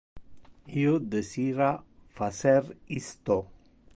Io desira facer isto.